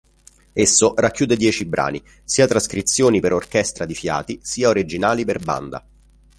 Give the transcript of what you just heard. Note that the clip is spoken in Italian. Esso racchiude dieci brani: sia trascrizioni per orchestra di fiati, sia originali per banda.